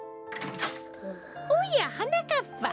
おやはなかっぱ。